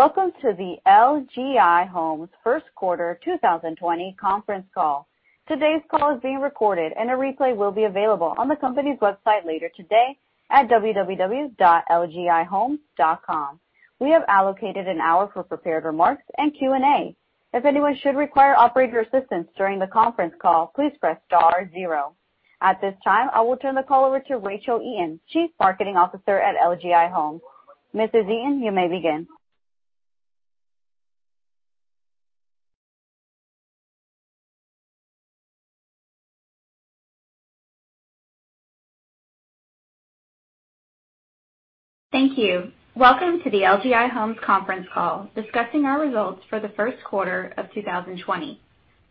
Welcome to the LGI Homes first quarter 2020 conference call. Today's call is being recorded, and a replay will be available on the company's website later today at www.lgihomes.com. We have allocated an hour for prepared remarks and Q&A. If anyone should require operator assistance during the conference call, please press star zero. At this time, I will turn the call over to Rachel Eaton, Chief Marketing Officer at LGI Homes. Mrs. Eaton, you may begin. Thank you. Welcome to the LGI Homes conference call discussing our results for the first quarter of 2020.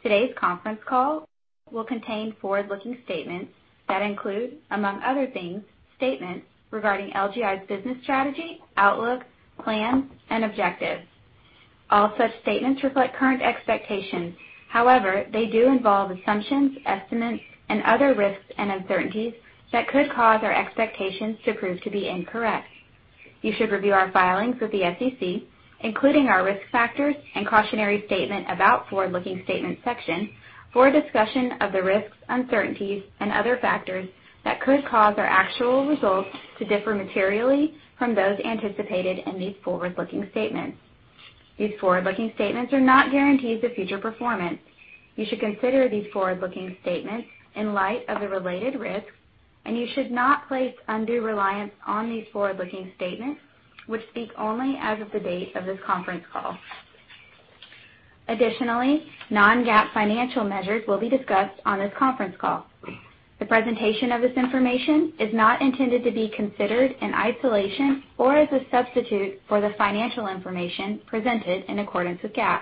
Today's conference call will contain forward-looking statements that include, among other things, statements regarding LGI's business strategy, outlook, plans, and objectives. All such statements reflect current expectations. However, they do involve assumptions, estimates, and other risks and uncertainties that could cause our expectations to prove to be incorrect. You should review our filings with the SEC, including our risk factors and cautionary statement about forward-looking statements section for a discussion of the risks, uncertainties, and other factors that could cause our actual results to differ materially from those anticipated in these forward-looking statements. These forward-looking statements are not guarantees of future performance. You should consider these forward-looking statements in light of the related risks, and you should not place undue reliance on these forward-looking statements, which speak only as of the date of this conference call. Additionally, non-GAAP financial measures will be discussed on this conference call. The presentation of this information is not intended to be considered in isolation or as a substitute for the financial information presented in accordance with GAAP.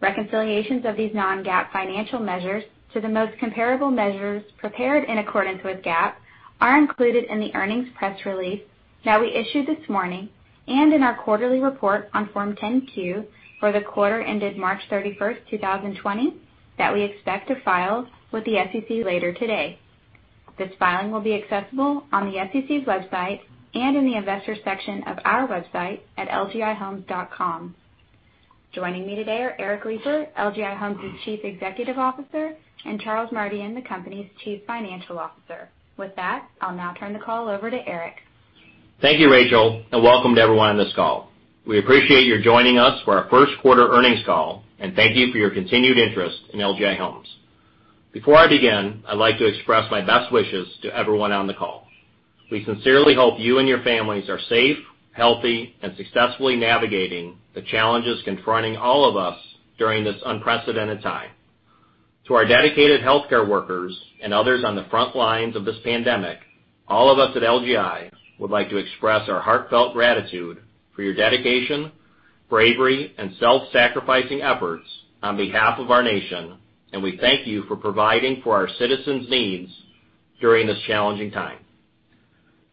Reconciliations of these non-GAAP financial measures to the most comparable measures prepared in accordance with GAAP are included in the earnings press release that we issued this morning and in our quarterly report on Form 10-Q for the quarter ended March 31st, 2020, that we expect to file with the SEC later today. This filing will be accessible on the SEC's website and in the investor section of our website at lgihomes.com. Joining me today are Eric Lipar, LGI Homes' Chief Executive Officer, and Charles Merdian, the company's Chief Financial Officer. With that, I'll now turn the call over to Eric. Thank you, Rachel, and welcome to everyone on this call. We appreciate you joining us for our first quarter earnings call, and thank you for your continued interest in LGI Homes. Before I begin, I'd like to express my best wishes to everyone on the call. We sincerely hope you and your families are safe, healthy, and successfully navigating the challenges confronting all of us during this unprecedented time. To our dedicated healthcare workers and others on the front lines of this pandemic, all of us at LGI would like to express our heartfelt gratitude for your dedication, bravery, and self-sacrificing efforts on behalf of our nation, and we thank you for providing for our citizens' needs during this challenging time.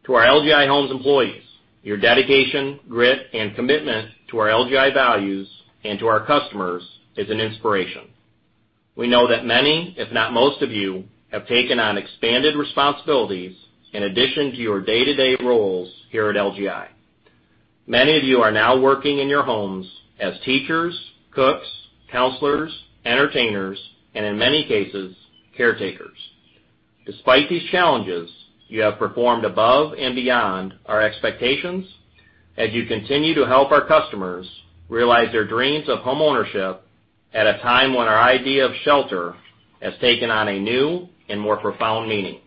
To our LGI Homes employees, your dedication, grit, and commitment to our LGI values and to our customers is an inspiration. We know that many, if not most of you, have taken on expanded responsibilities in addition to your day-to-day roles here at LGI. Many of you are now working in your homes as teachers, cooks, counselors, entertainers, and in many cases, caretakers. Despite these challenges, you have performed above and beyond our expectations as you continue to help our customers realize their dreams of homeownership at a time when our idea of shelter has taken on a new and more profound meaning.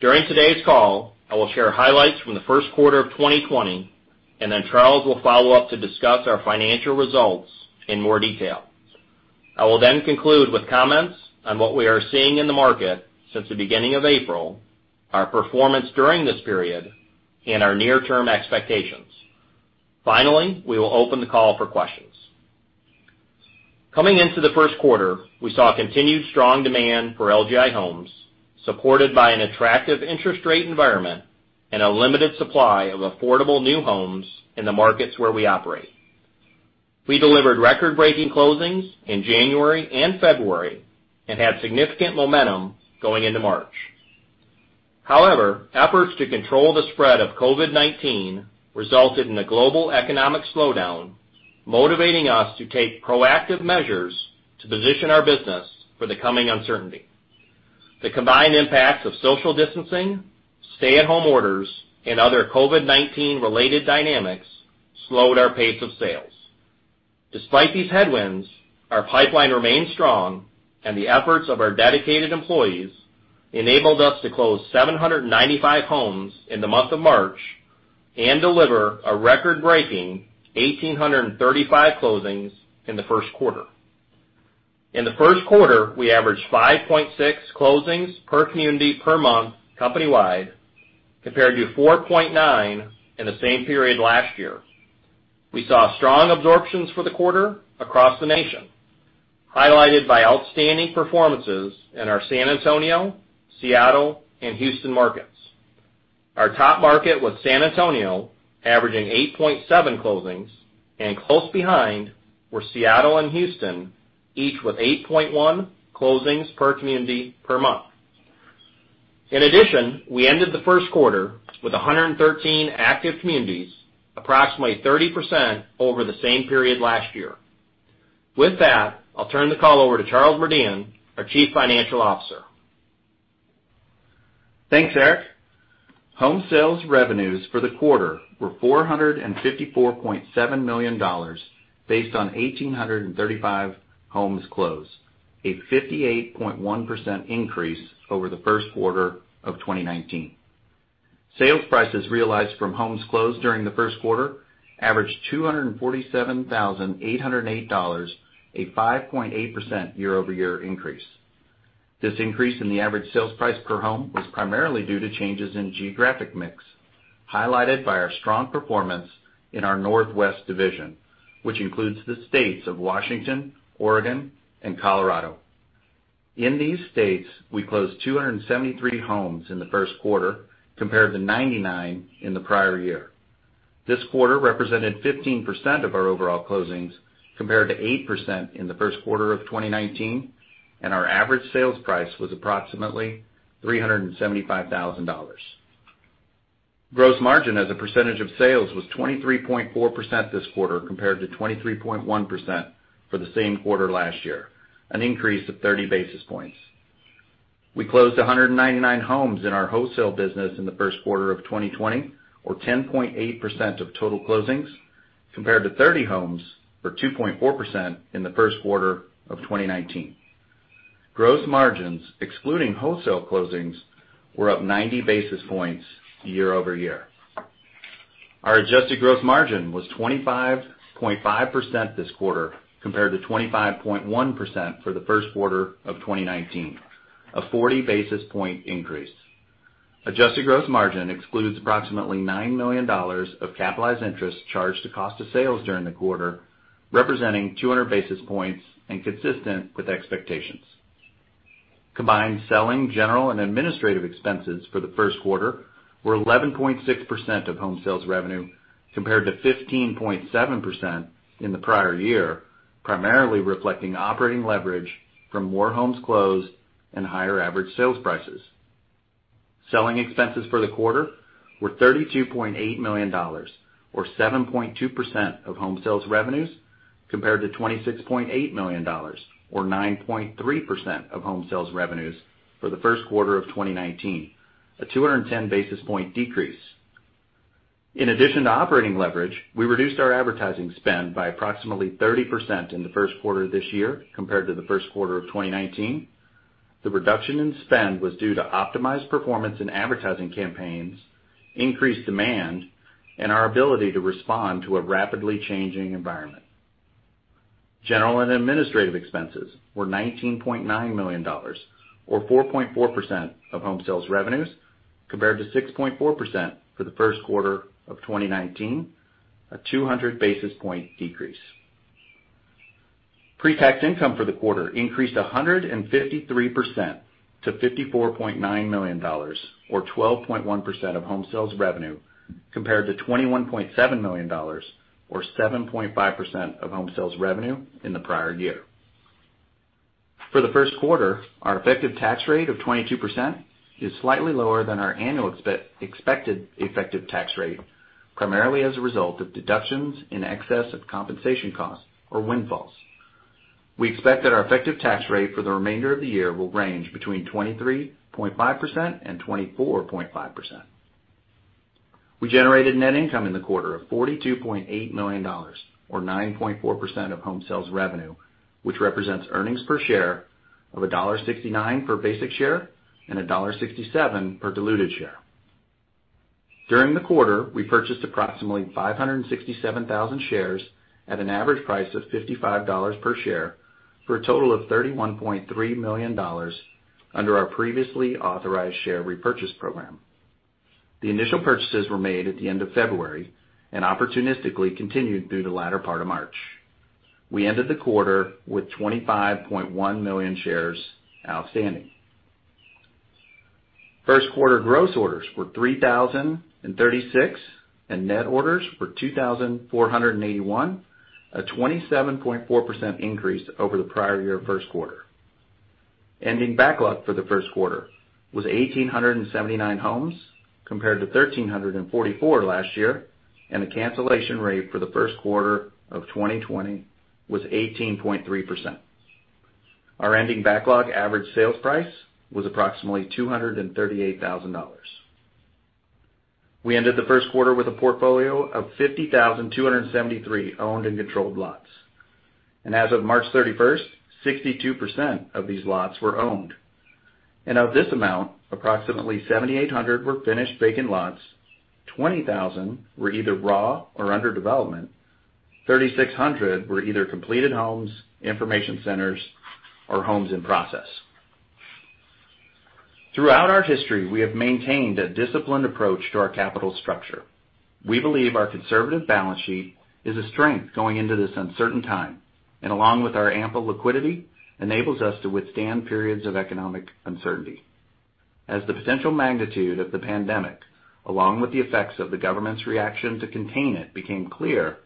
During today's call, I will share highlights from the first quarter of 2020, and then Charles will follow up to discuss our financial results in more detail. I will then conclude with comments on what we are seeing in the market since the beginning of April, our performance during this period, and our near-term expectations. Finally, we will open the call for questions. Coming into the first quarter, we saw continued strong demand for LGI Homes, supported by an attractive interest rate environment and a limited supply of affordable new homes in the markets where we operate. We delivered record-breaking closings in January and February and had significant momentum going into March. However, efforts to control the spread of COVID-19 resulted in a global economic slowdown, motivating us to take proactive measures to position our business for the coming uncertainty. The combined impacts of social distancing, stay-at-home orders, and other COVID-19 related dynamics slowed our pace of sales. Despite these headwinds, our pipeline remained strong, and the efforts of our dedicated employees enabled us to close 795 homes in the month of March and deliver a record-breaking 1,835 closings in the first quarter. In the first quarter, we averaged 5.6 closings per community per month company-wide, compared to 4.9 in the same period last year. We saw strong absorptions for the quarter across the nation, highlighted by outstanding performances in our San Antonio, Seattle, and Houston markets. Our top market was San Antonio, averaging 8.7 closings, and close behind were Seattle and Houston, each with 8.1 closings per community per month. In addition, we ended the first quarter with 113 active communities, approximately 30% over the same period last year. With that, I'll turn the call over to Charles Merdian, our Chief Financial Officer. Thanks, Eric. Home sales revenues for the quarter were $454.7 million based on 1,835 homes closed, a 58.1% increase over the first quarter of 2019. Sales prices realized from homes closed during the first quarter averaged $247,808, a 5.8% year-over-year increase. This increase in the average sales price per home was primarily due to changes in geographic mix, highlighted by our strong performance in our Northwest division, which includes the states of Washington, Oregon, and Colorado. In these states, we closed 273 homes in the first quarter compared to 99 in the prior year. This quarter represented 15% of our overall closings compared to 8% in the first quarter of 2019, and our average sales price was approximately $375,000. Gross margin as a percentage of sales was 23.4% this quarter, compared to 23.1% for the same quarter last year, an increase of 30 basis points. We closed 199 homes in our wholesale business in the first quarter of 2020, or 10.8% of total closings, compared to 30 homes, or 2.4%, in the first quarter of 2019. Gross margins, excluding wholesale closings, were up 90 basis points year-over-year. Our adjusted gross margin was 25.5% this quarter, compared to 25.1% for the first quarter of 2019, a 40 basis point increase. Adjusted gross margin excludes approximately $9 million of capitalized interest charged to cost of sales during the quarter, representing 200 basis points and consistent with expectations. Combined selling, general, and administrative expenses for the first quarter were 11.6% of home sales revenue, compared to 15.7% in the prior year, primarily reflecting operating leverage from more homes closed and higher average sales prices. Selling expenses for the quarter were $32.8 million, or 7.2% of home sales revenues, compared to $26.8 million, or 9.3% of home sales revenues for the first quarter of 2019, a 210 basis point decrease. In addition to operating leverage, we reduced our advertising spend by approximately 30% in the first quarter of this year compared to the first quarter of 2019. The reduction in spend was due to optimized performance in advertising campaigns, increased demand, and our ability to respond to a rapidly changing environment. General and administrative expenses were $19.9 million, or 4.4% of home sales revenues, compared to 6.4% for the first quarter of 2019, a 200 basis point decrease. Pre-tax income for the quarter increased 153% to $54.9 million, or 12.1% of home sales revenue, compared to $21.7 million, or 7.5% of home sales revenue in the prior year. For the first quarter, our effective tax rate of 22% is slightly lower than our annual expected effective tax rate, primarily as a result of deductions in excess of compensation costs or windfalls. We expect that our effective tax rate for the remainder of the year will range between 23.5% and 24.5%. We generated net income in the quarter of $42.8 million, or 9.4% of home sales revenue, which represents earnings per share of $1.69 per basic share and $1.67 per diluted share. During the quarter, we purchased approximately 567,000 shares at an average price of $55 per share for a total of $31.3 million under our previously authorized share repurchase program. The initial purchases were made at the end of February and opportunistically continued through the latter part of March. We ended the quarter with 25.1 million shares outstanding. First quarter gross orders were 3,036 and net orders were 2,481, a 27.4% increase over the prior year first quarter. Ending backlog for the first quarter was 1,879 homes, compared to 1,344 last year, and the cancellation rate for the first quarter of 2020 was 18.3%. Our ending backlog average sales price was approximately $238,000. We ended the first quarter with a portfolio of 50,273 owned and controlled lots. As of March 31st, 62% of these lots were owned. Of this amount, approximately 7,800 were finished vacant lots, 20,000 were either raw or under development, 3,600 were either completed homes, information centers, or homes in process. Throughout our history, we have maintained a disciplined approach to our capital structure. We believe our conservative balance sheet is a strength going into this uncertain time, and along with our ample liquidity, enables us to withstand periods of economic uncertainty. As the potential magnitude of the pandemic, along with the effects of the government's reaction to contain it, became clear,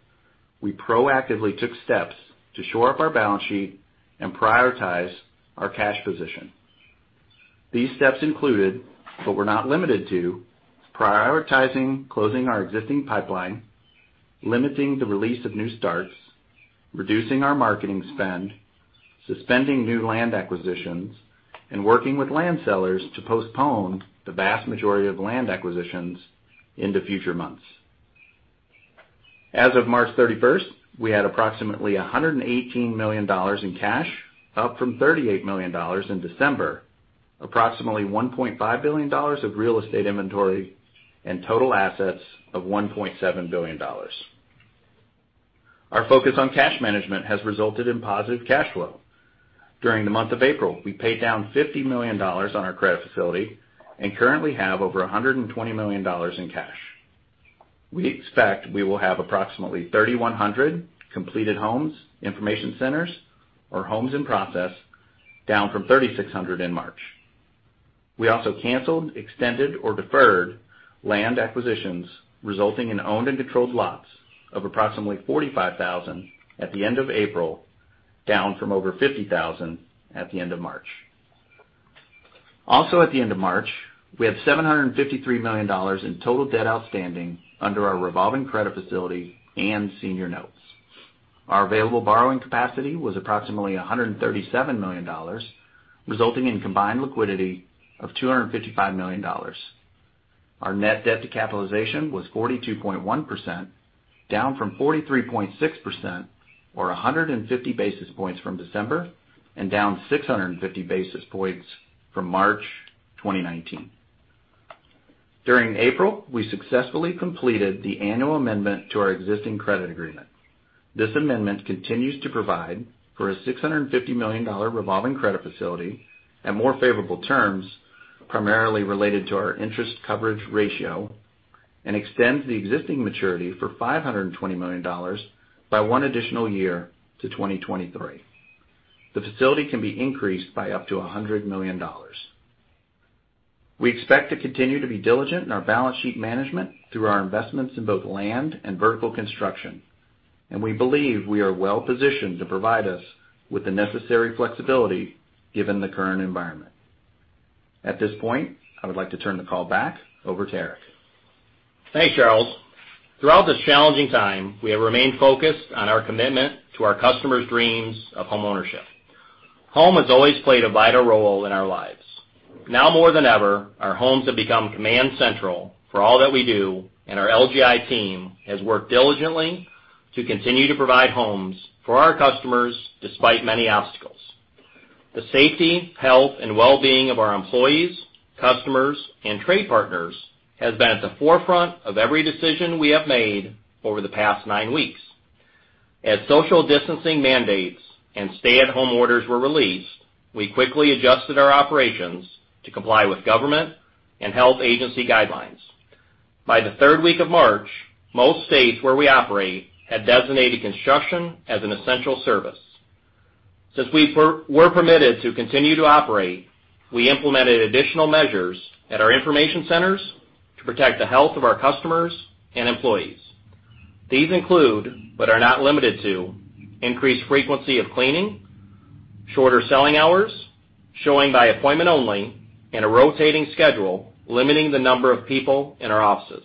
we proactively took steps to shore up our balance sheet and prioritize our cash position. These steps included, but were not limited to, prioritizing closing our existing pipeline, limiting the release of new starts, reducing our marketing spend, suspending new land acquisitions, and working with land sellers to postpone the vast majority of land acquisitions into future months. As of March 31st, we had approximately $118 million in cash, up from $38 million in December, approximately $1.5 billion of real estate inventory, and total assets of $1.7 billion. Our focus on cash management has resulted in positive cash flow. During the month of April, we paid down $50 million on our credit facility and currently have over $120 million in cash. We expect we will have approximately 3,100 completed homes, information centers, or homes in process, down from 3,600 in March. We also canceled, extended, or deferred land acquisitions, resulting in owned and controlled lots of approximately 45,000 at the end of April, down from over 50,000 at the end of March. Also at the end of March, we had $753 million in total debt outstanding under our revolving credit facility and senior notes. Our available borrowing capacity was approximately $137 million, resulting in combined liquidity of $255 million. Our net debt to capitalization was 42.1%, down from 43.6%, or 150 basis points from December, and down 650 basis points from March 2019. During April, we successfully completed the annual amendment to our existing credit agreement. This amendment continues to provide for a $650 million revolving credit facility at more favorable terms, primarily related to our interest coverage ratio, and extends the existing maturity for $520 million by one additional year to 2023. The facility can be increased by up to $100 million. We expect to continue to be diligent in our balance sheet management through our investments in both land and vertical construction, and we believe we are well positioned to provide us with the necessary flexibility given the current environment. At this point, I would like to turn the call back over to Eric. Thanks, Charles. Throughout this challenging time, we have remained focused on our commitment to our customers' dreams of homeownership. Home has always played a vital role in our lives. Now more than ever, our homes have become command central for all that we do, and our LGI team has worked diligently to continue to provide homes for our customers despite many obstacles. The safety, health, and well-being of our employees, customers, and trade partners has been at the forefront of every decision we have made over the past nine weeks. As social distancing mandates and stay-at-home orders were released, we quickly adjusted our operations to comply with government and health agency guidelines. By the third week of March, most states where we operate had designated construction as an essential service. Since we were permitted to continue to operate, we implemented additional measures at our information centers to protect the health of our customers and employees. These include, but are not limited to, increased frequency of cleaning, shorter selling hours, showing by appointment only, and a rotating schedule limiting the number of people in our offices.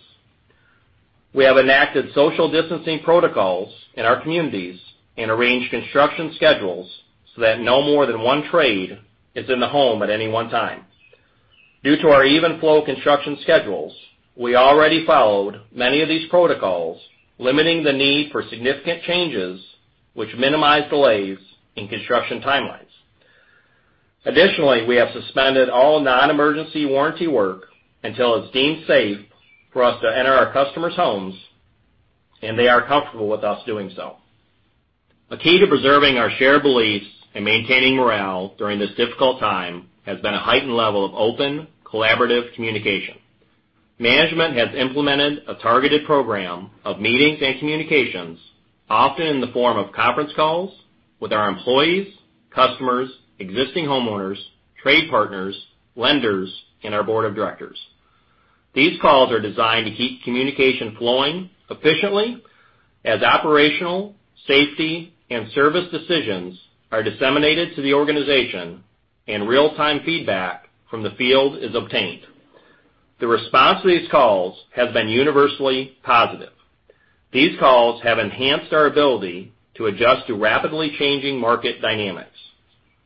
We have enacted social distancing protocols in our communities and arranged construction schedules so that no more than one trade is in the home at any one time. Due to our even-flow construction schedules, we already followed many of these protocols, limiting the need for significant changes, which minimize delays in construction timelines. Additionally, we have suspended all non-emergency warranty work until it's deemed safe for us to enter our customers' homes, and they are comfortable with us doing so. A key to preserving our shared beliefs and maintaining morale during this difficult time has been a heightened level of open, collaborative communication. Management has implemented a targeted program of meetings and communications, often in the form of conference calls with our employees, customers, existing homeowners, trade partners, lenders, and our board of directors. These calls are designed to keep communication flowing efficiently as operational, safety, and service decisions are disseminated to the organization and real-time feedback from the field is obtained. The response to these calls has been universally positive. These calls have enhanced our ability to adjust to rapidly changing market dynamics.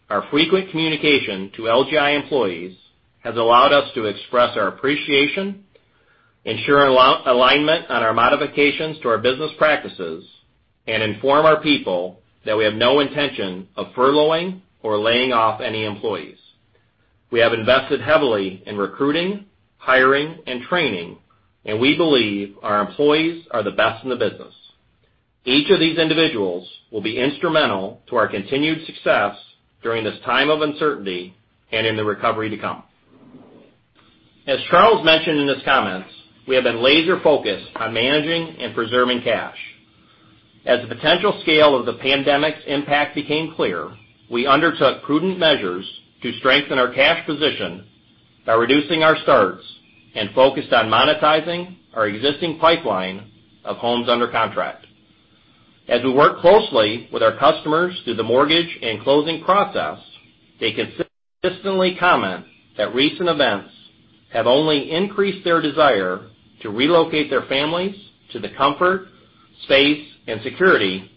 Our frequent communication to LGI employees has allowed us to express our appreciation, ensure alignment on our modifications to our business practices, and inform our people that we have no intention of furloughing or laying off any employees. We have invested heavily in recruiting, hiring, and training, and we believe our employees are the best in the business. Each of these individuals will be instrumental to our continued success during this time of uncertainty and in the recovery to come. As Charles mentioned in his comments, we have been laser-focused on managing and preserving cash. As the potential scale of the pandemic's impact became clear, we undertook prudent measures to strengthen our cash position by reducing our starts and focusing on monetizing our existing pipeline of homes under contract. As we work closely with our customers through the mortgage and closing process, they consistently comment that recent events have only increased their desire to relocate their families to the comfort, space, and security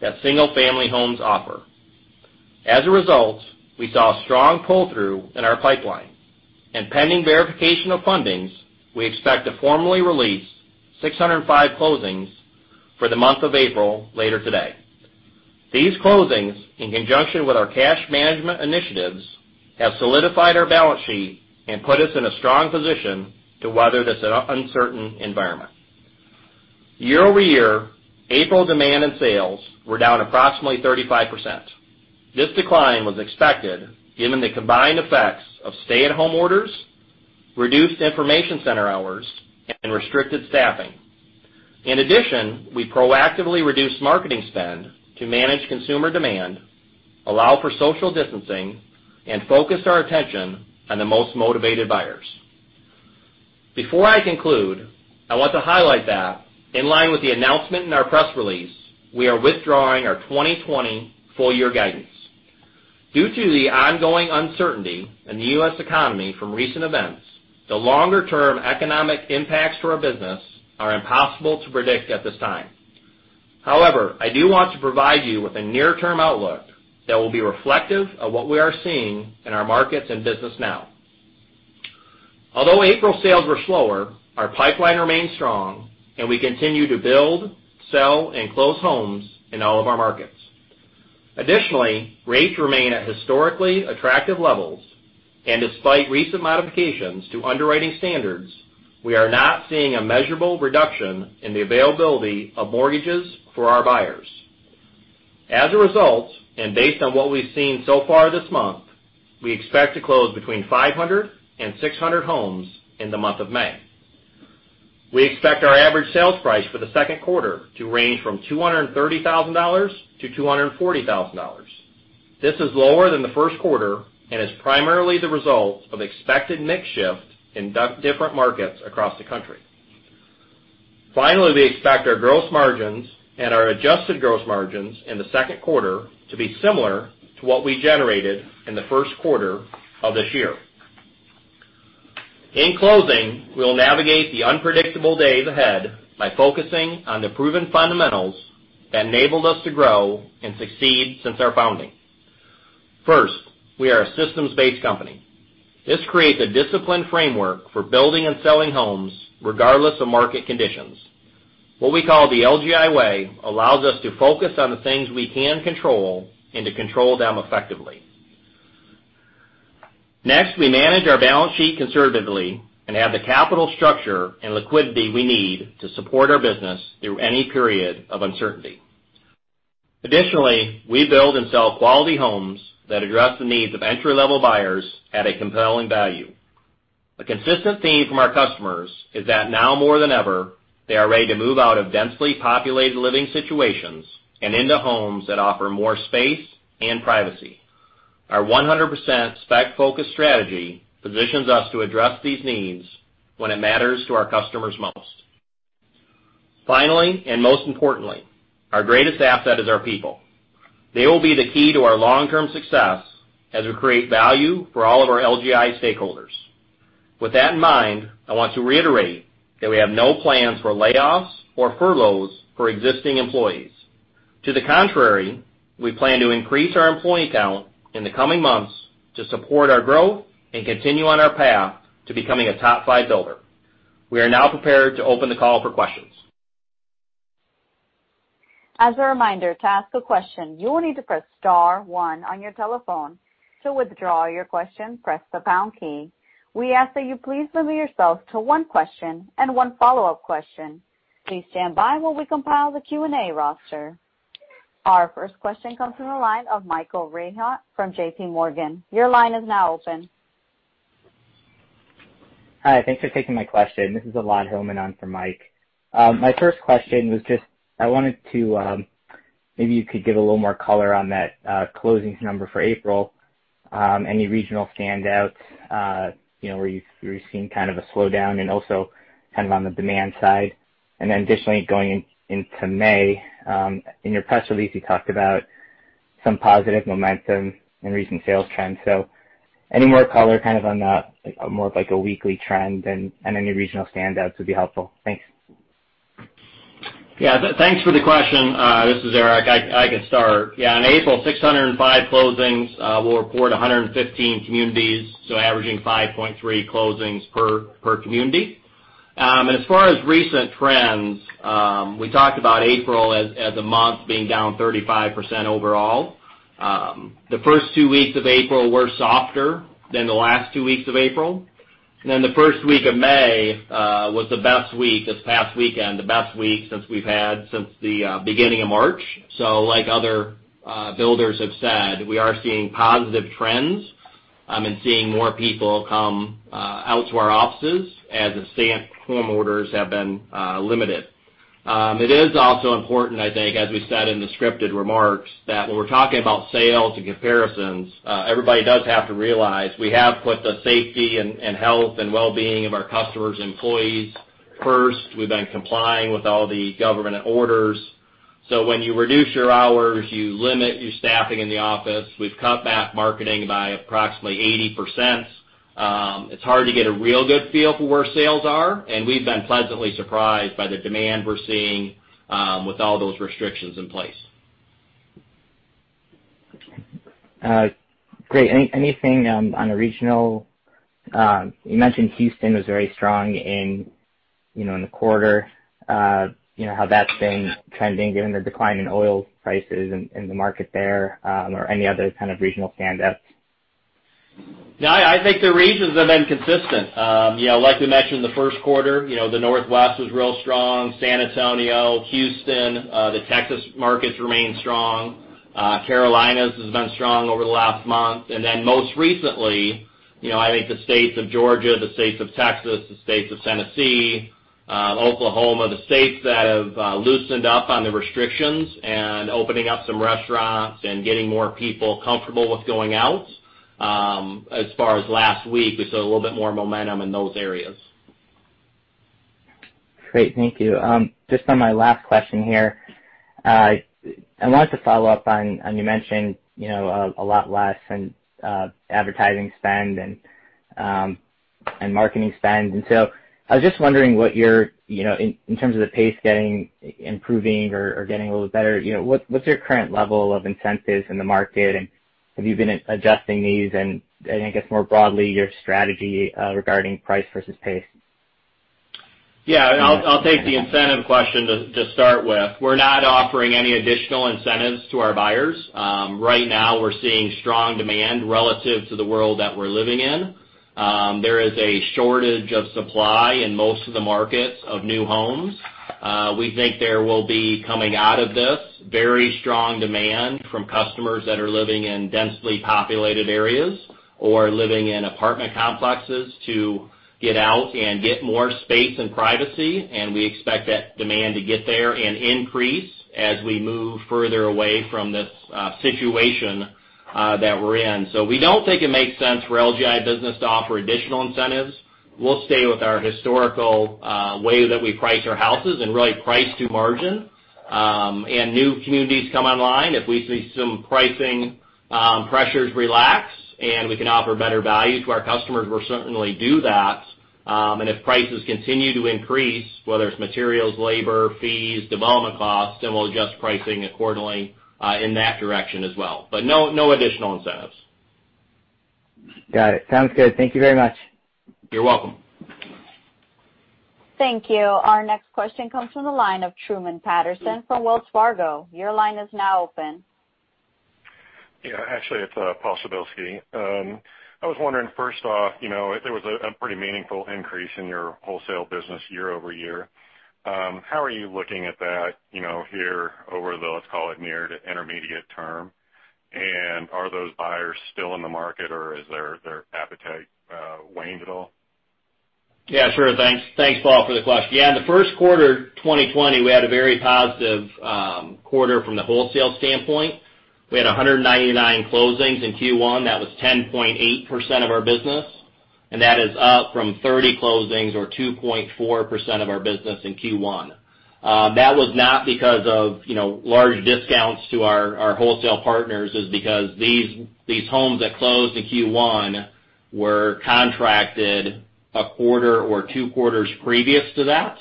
that single-family homes offer. As a result, we saw a strong pull-through in our pipeline. Pending verification of fundings, we expect to formally release 605 closings for the month of April later today. These closings, in conjunction with our cash management initiatives, have solidified our balance sheet and put us in a strong position to weather this uncertain environment. Year-over-year, April demand and sales were down approximately 35%. This decline was expected given the combined effects of stay-at-home orders, reduced information center hours, and restricted staffing. In addition, we proactively reduced marketing spend to manage consumer demand, allow for social distancing, and focused our attention on the most motivated buyers. Before I conclude, I want to highlight that, in line with the announcement in our press release, we are withdrawing our 2020 full-year guidance. Due to the ongoing uncertainty in the U.S. economy from recent events, the longer-term economic impacts to our business are impossible to predict at this time. I do want to provide you with a near-term outlook that will be reflective of what we are seeing in our markets and business now. Although April sales were slower, our pipeline remains strong, and we continue to build, sell, and close homes in all of our markets. Additionally, rates remain at historically attractive levels, and despite recent modifications to underwriting standards, we are not seeing a measurable reduction in the availability of mortgages for our buyers. As a result, and based on what we've seen so far this month, we expect to close between 500 and 600 homes in the month of May. We expect our average sales price for the second quarter to range from $230,000-$240,000. This is lower than the first quarter and is primarily the result of expected mix shift in different markets across the country. Finally, we expect our gross margins and our adjusted gross margins in the second quarter to be similar to what we generated in the first quarter of this year. In closing, we'll navigate the unpredictable days ahead by focusing on the proven fundamentals that enabled us to grow and succeed since our founding. First, we are a systems-based company. This creates a disciplined framework for building and selling homes regardless of market conditions. What we call the LGI Way allows us to focus on the things we can control and to control them effectively. Next, we manage our balance sheet conservatively and have the capital structure and liquidity we need to support our business through any period of uncertainty. Additionally, we build and sell quality homes that address the needs of entry-level buyers at a compelling value. A consistent theme from our customers is that now more than ever, they are ready to move out of densely populated living situations and into homes that offer more space and privacy. Our 100% spec-focused strategy positions us to address these needs when it matters to our customers most. Finally, and most importantly, our greatest asset is our people. They will be the key to our long-term success as we create value for all of our LGI stakeholders. With that in mind, I want to reiterate that we have no plans for layoffs or furloughs for existing employees. To the contrary, we plan to increase our employee count in the coming months to support our growth and continue on our path to becoming a top five builder. We are now prepared to open the call for questions. As a reminder, to ask a question, you will need to press star one on your telephone. To withdraw your question, press the pound key. We ask that you please limit yourself to one question and one follow-up question. Please stand by while we compile the Q&A roster. Our first question comes from the line of Michael Rehaut from JPMorgan. Your line is now open. Hi, thanks for taking my question. This is Elad Hillman on for Mike. My first question was just, maybe you could give a little more color on that closings number for April, any regional standouts where you're seeing kind of a slowdown and also kind of on the demand side. Additionally, going into May, in your press release, you talked about some positive momentum in recent sales trends. Any more color kind of on the, more of like a weekly trend and any regional standouts would be helpful. Thanks. Thanks for the question. This is Eric. I can start. In April, 605 closings. We'll report 115 communities, so averaging 5.3 closings per community. As far as recent trends, we talked about April as a month being down 35% overall. The first two weeks of April were softer than the last two weeks of April. The first week of May was the best week, this past weekend, the best week since we've had since the beginning of March. Like other builders have said, we are seeing positive trends and seeing more people come out to our offices as stay-at-home orders have been lifted. It is also important, I think, as we said in the scripted remarks, that when we're talking about sales and comparisons, everybody does have to realize we have put the safety and health and wellbeing of our customers and employees first. We've been complying with all the government orders. When you reduce your hours, you limit your staffing in the office. We've cut back marketing by approximately 80%. It's hard to get a real good feel for where sales are, and we've been pleasantly surprised by the demand we're seeing with all those restrictions in place. Great. Anything on a regional You mentioned Houston was very strong in the quarter. How that's been trending given the decline in oil prices in the market there, or any other kind of regional standouts? No, I think the regions have been consistent. Like we mentioned, the first quarter, the Northwest was real strong. San Antonio, Houston, the Texas markets remain strong. Carolinas has been strong over the last month. Most recently, I think the states of Georgia, the states of Texas, the states of Tennessee, Oklahoma, the states that have loosened up on the restrictions and opening up some restaurants and getting more people comfortable with going out. As far as last week, we saw a little bit more momentum in those areas. Great, thank you. Just on my last question here. I wanted to follow up on, you mentioned a lot less in advertising spend and marketing spend. I was just wondering in terms of the pace improving or getting a little better, what's your current level of incentives in the market, and have you been adjusting these? I think it's more broadly your strategy, regarding price versus pace. I'll take the incentive question to start with. We're not offering any additional incentives to our buyers. Right now, we're seeing strong demand relative to the world that we're living in. There is a shortage of supply in most of the markets of new homes. We think there will be, coming out of this, very strong demand from customers that are living in densely populated areas or living in apartment complexes to get out and get more space and privacy. We expect that demand to get there and increase as we move further away from this situation that we're in. We don't think it makes sense for LGI Business to offer additional incentives. We'll stay with our historical way that we price our houses and really price to margin. New communities come online, if we see some pricing pressures relax and we can offer better value to our customers, we'll certainly do that. If prices continue to increase, whether it's materials, labor, fees, development costs, then we'll adjust pricing accordingly, in that direction as well. No additional incentives. Got it. Sounds good. Thank you very much. You're welcome. Thank you. Our next question comes from the line of Truman Patterson from Wells Fargo. Your line is now open. Yeah. Actually, it's Paul Przybylski. I was wondering, first off, there was a pretty meaningful increase in your wholesale business year-over-year. How are you looking at that here over the, let's call it near to intermediate term? Are those buyers still in the market, or has their appetite waned at all? Yeah, sure. Thanks. Thanks, Paul, for the question. In the first quarter 2020, we had a very positive quarter from the wholesale standpoint. We had 199 closings in Q1. That was 10.8% of our business, that is up from 30 closings or 2.4% of our business in Q1. That was not because of large discounts to our wholesale partners. It's because these homes that closed in Q1 were contracted a quarter or two quarters previous to that.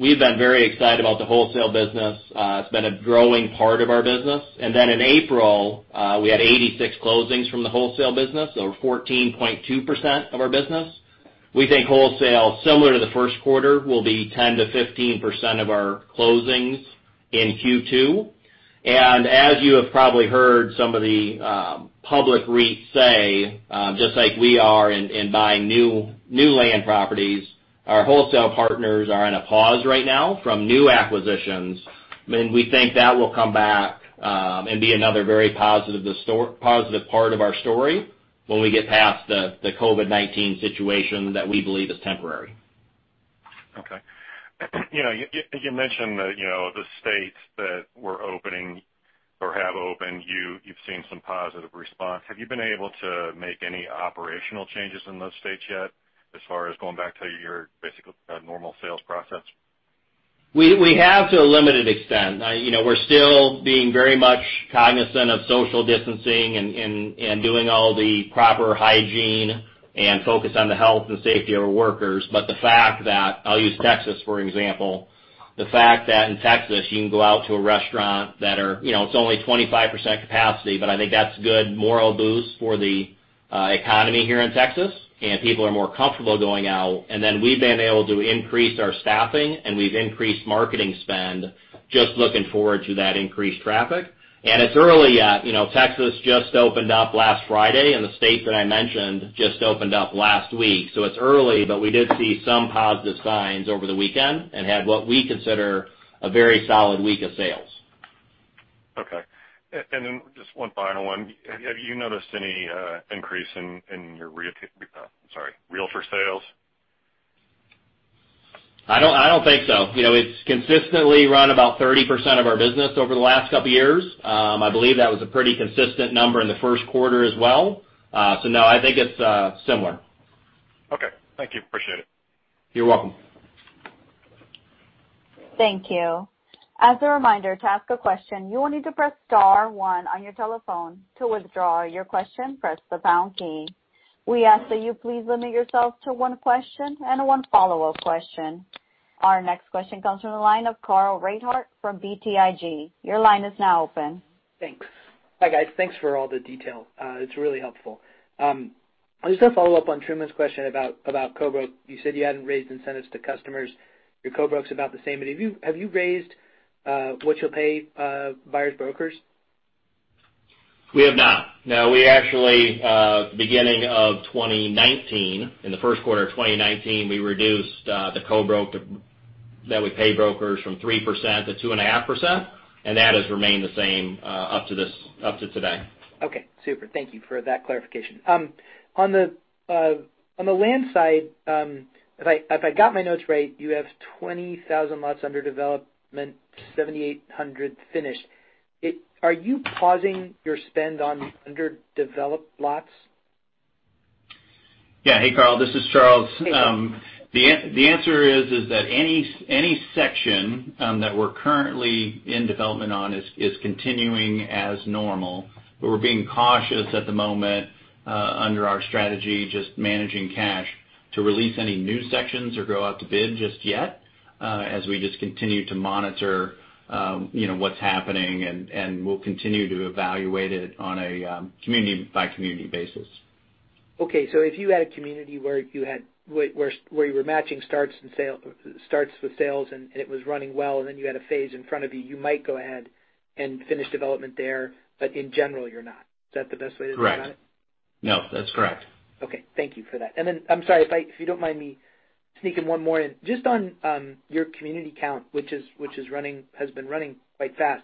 We've been very excited about the wholesale business. It's been a growing part of our business. In April, we had 86 closings from the wholesale business or 14.2% of our business. We think wholesale, similar to the first quarter, will be 10%-15% of our closings in Q2. As you have probably heard some of the public REITs say, just like we are in buying new land properties, our wholesale partners are in a pause right now from new acquisitions. We think that will come back and be another very positive part of our story when we get past the COVID-19 situation that we believe is temporary. You mentioned the states that were opening or have opened, you've seen some positive response. Have you been able to make any operational changes in those states yet, as far as going back to your basic normal sales process? We have to a limited extent. We're still being very much cognizant of social distancing and doing all the proper hygiene and focus on the health and safety of our workers. The fact that, I'll use Texas, for example, the fact that in Texas you can go out to a restaurant that it's only 25% capacity, but I think that's a good morale boost for the economy here in Texas, and people are more comfortable going out. We've been able to increase our staffing, and we've increased marketing spend just looking forward to that increased traffic. It's early yet. Texas just opened up last Friday, and the states that I mentioned just opened up last week. It's early, but we did see some positive signs over the weekend and had what we consider a very solid week of sales. Okay. Just one final one. Have you noticed any increase in your realtor sales? I don't think so. It's consistently run about 30% of our business over the last couple of years. I believe that was a pretty consistent number in the first quarter as well. No, I think it's similar. Okay. Thank you. Appreciate it. You're welcome. Thank you. As a reminder, to ask a question, you will need to press star one on your telephone. To withdraw your question, press the pound key. We ask that you please limit yourself to one question and one follow-up question. Our next question comes from the line of Carl Reichardt from BTIG. Your line is now open. Thanks. Hi, guys. Thanks for all the detail. It's really helpful. I just want to follow up on Truman's question about co-broke. You said you hadn't raised incentives to customers. Your co-broke's about the same, but have you raised what you'll pay buyers' brokers? We have not. No, we actually, beginning of 2019, in the first quarter of 2019, we reduced the co-broke that we pay brokers from 3%-2.5%, and that has remained the same up to today. Okay, super. Thank you for that clarification. On the land side, if I got my notes right, you have 20,000 lots under development, 7,800 finished. Are you pausing your spend on underdeveloped lots? Yeah. Hey, Carl. This is Charles. Hey, Charles. The answer is that any section that we're currently in development on is continuing as normal. We're being cautious at the moment under our strategy, just managing cash, to release any new sections or go out to bid just yet, as we just continue to monitor what's happening, and we'll continue to evaluate it on a community-by-community basis. Okay. If you had a community where you were matching starts with sales, and it was running well, and then you had a phase in front of you might go ahead and finish development there, but in general, you're not. Is that the best way to think about it? Right. No, that's correct. Okay. Thank you for that. I'm sorry, if you don't mind me sneaking one more in. Just on your community count, which has been running quite fast,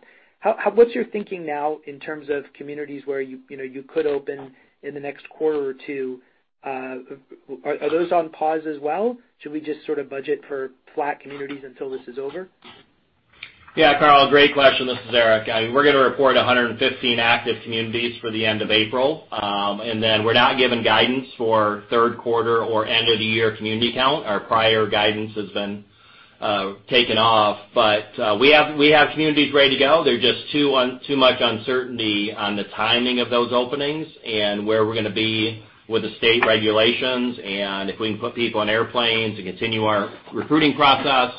what's your thinking now in terms of communities where you could open in the next quarter or two? Are those on pause as well? Should we just sort of budget for flat communities until this is over? Yeah, Carl, great question. This is Eric. We're going to report 115 active communities for the end of April. We're not giving guidance for third quarter or end of the year community count. Our prior guidance has been taken off. We have communities ready to go. There are just too much uncertainty on the timing of those openings and where we're going to be with the state regulations, and if we can put people on airplanes to continue our recruiting process.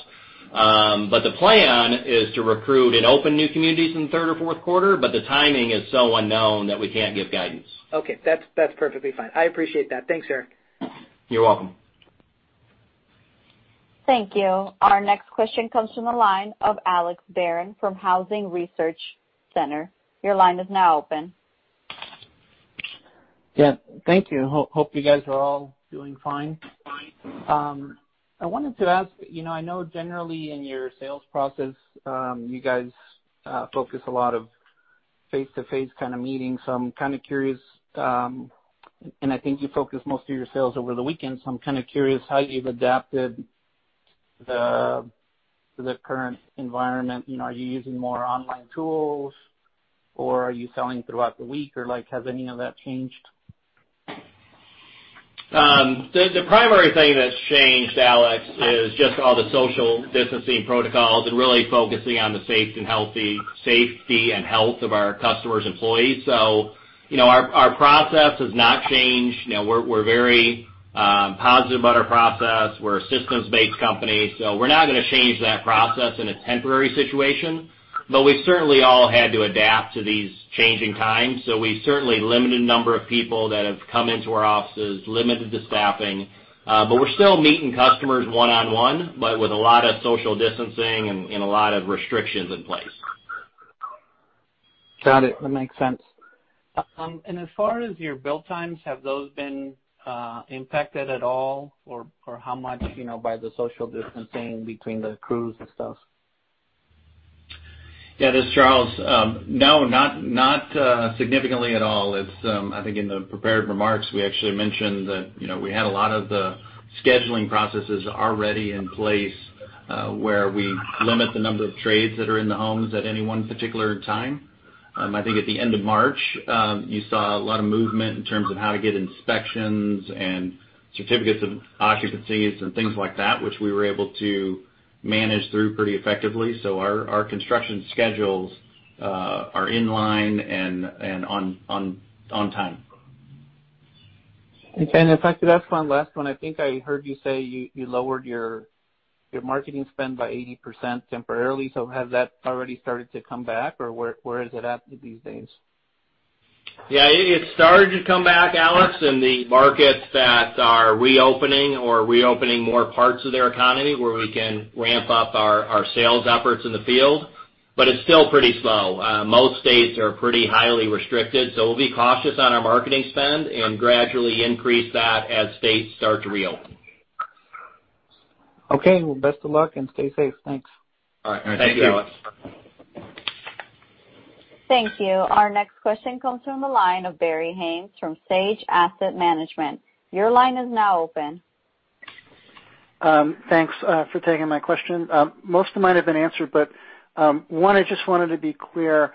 The plan is to recruit and open new communities in the third or fourth quarter, but the timing is so unknown that we can't give guidance. Okay, that's perfectly fine. I appreciate that. Thanks, Eric. You're welcome. Thank you. Our next question comes from the line of Alex Barron from Housing Research Center. Your line is now open. Yeah. Thank you. Hope you guys are all doing fine. I wanted to ask, I know generally in your sales process, you guys focus a lot of face-to-face kind of meetings, and I think you focus most of your sales over the weekend. I'm kind of curious how you've adapted to the current environment. Are you using more online tools, or are you selling throughout the week, or has any of that changed? The primary thing that's changed, Alex, is just all the social distancing protocols and really focusing on the safety and health of our customers' employees. Our process has not changed. We're very positive about our process. We're a systems-based company. We're not going to change that process in a temporary situation. We've certainly all had to adapt to these changing times. We certainly limited the number of people that have come into our offices, limited the staffing. We're still meeting customers one-on-one, but with a lot of social distancing and a lot of restrictions in place. Got it. That makes sense. As far as your build times, have those been impacted at all, or how much by the social distancing between the crews and stuff? Yeah, this is Charles. No, not significantly at all. I think in the prepared remarks, we actually mentioned that we had a lot of the scheduling processes already in place, where we limit the number of trades that are in the homes at any one particular time. I think at the end of March, you saw a lot of movement in terms of how to get inspections and certificates of occupancies and things like that, which we were able to manage through pretty effectively. Our construction schedules are in line and on time. Okay. If I could ask one last one. I think I heard you say you lowered your marketing spend by 80% temporarily. Has that already started to come back? Where is it at these days? Yeah. It's started to come back, Alex, in the markets that are reopening or reopening more parts of their economy where we can ramp up our sales efforts in the field. It's still pretty slow. Most states are pretty highly restricted, we'll be cautious on our marketing spend and gradually increase that as states start to reopen. Okay. Well, best of luck and stay safe. Thanks. All right. Thank you. Thank you, Alex. Thank you. Our next question comes from the line of Barry Haimes from Sage Asset Management. Your line is now open. Thanks for taking my question. Most of mine have been answered, but one, I just wanted to be clear,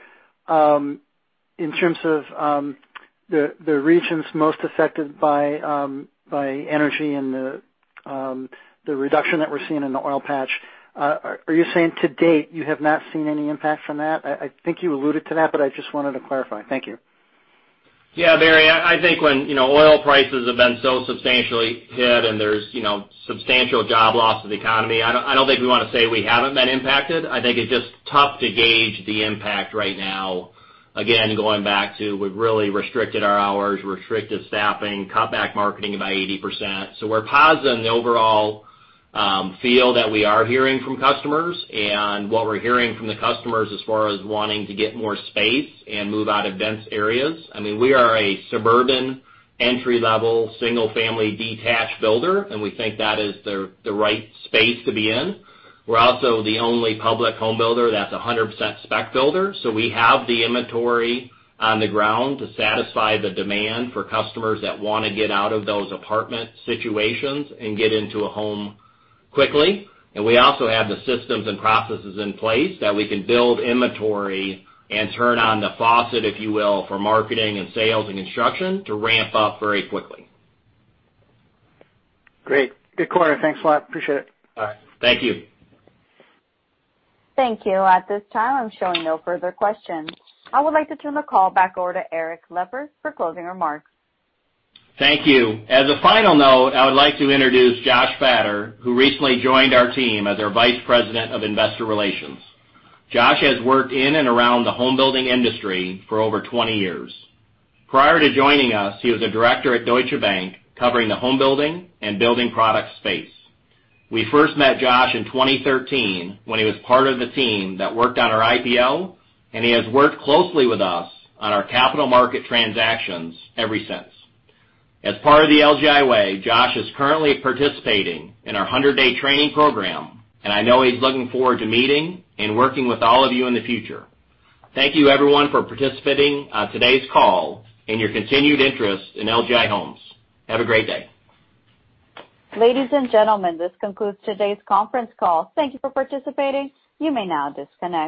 in terms of the regions most affected by energy and the reduction that we're seeing in the oil patch. Are you saying to date you have not seen any impact from that? I think you alluded to that, but I just wanted to clarify. Thank you. Barry. I think when oil prices have been so substantially hit and there's substantial job loss to the economy, I don't think we want to say we haven't been impacted. I think it's just tough to gauge the impact right now. Going back to we've really restricted our hours, restricted staffing, cut back marketing by 80%. We're positive in the overall feel that we are hearing from customers and what we're hearing from the customers as far as wanting to get more space and move out of dense areas. We are a suburban entry-level single-family detached builder, we think that is the right space to be in. We're also the only public home builder that's 100% spec builder, so we have the inventory on the ground to satisfy the demand for customers that want to get out of those apartment situations and get into a home quickly. We also have the systems and processes in place that we can build inventory and turn on the faucet, if you will, for marketing and sales and construction to ramp up very quickly. Great. Good quarter. Thanks a lot. Appreciate it. All right. Thank you. Thank you. At this time, I'm showing no further questions. I would like to turn the call back over to Eric Lipar for closing remarks. Thank you. As a final note, I would like to introduce Josh Fattor, who recently joined our team as our Vice President of Investor Relations. Josh has worked in and around the home building industry for over 20 years. Prior to joining us, he was a director at Deutsche Bank, covering the home building and building product space. We first met Josh in 2013 when he was part of the team that worked on our IPO, and he has worked closely with us on our capital market transactions ever since. As part of the LGI way, Josh is currently participating in our 100-day training program, and I know he's looking forward to meeting and working with all of you in the future. Thank you everyone for participating on today's call and your continued interest in LGI Homes. Have a great day. Ladies and gentlemen, this concludes today's conference call. Thank you for participating. You may now disconnect.